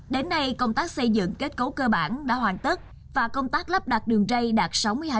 đến nay công tác xây dựng kết cấu cơ bản đã hoàn tất và công tác lắp đặt đường rây đạt sáu mươi hai